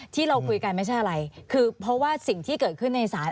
ที่เราคุยกันไม่ใช่อะไรคือเพราะว่าสิ่งที่เกิดขึ้นในศาล